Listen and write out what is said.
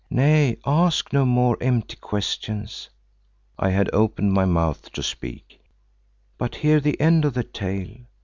Nay, ask no more empty questions" (I had opened my mouth to speak) "but hear the end of the tale.